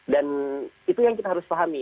dan itu yang kita harus pahami